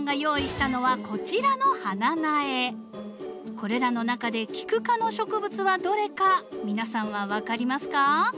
これらの中でキク科の植物はどれか皆さんは分かりますか？